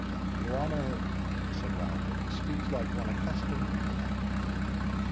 "Your honour," said Wildrake, "speaks like one accustomed to command."